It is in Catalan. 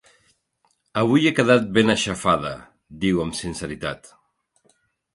Avui he quedat ben aixafada –diu amb sinceritat.